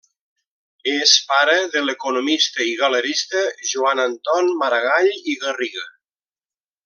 És pare de l'economista i galerista Joan Anton Maragall i Garriga.